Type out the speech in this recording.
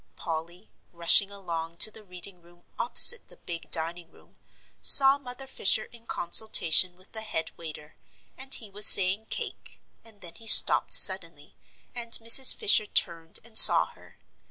Polly, rushing along to the reading room opposite the big dining room, saw Mother Fisher in consultation with the head waiter, and he was saying "cake," and then he stopped suddenly, and Mrs. Fisher turned and saw her.